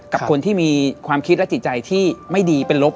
กับคนที่มีความคิดและจิตใจที่ไม่ดีเป็นลบ